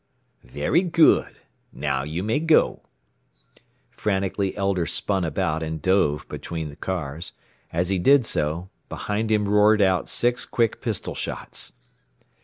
_... Very good. "Now you may go." Frantically Elder spun about and dove between the cars. As he did so, behind him roared out six quick pistol shots.